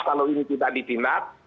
kalau ini tidak ditindak